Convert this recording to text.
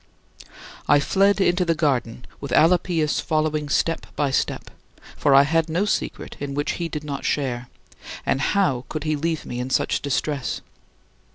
I fled into the garden, with Alypius following step by step; for I had no secret in which he did not share, and how could he leave me in such distress?